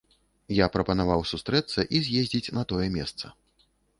Я прапанаваў сустрэцца і з'ездзіць на тое месца.